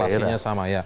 dalam kelasinya sama ya